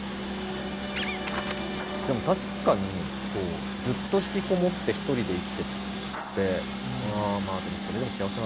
でも確かにこうずっと引きこもって一人で生きててまあでもそれでも幸せなのかな？